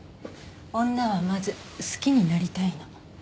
女はまず好きになりたいの。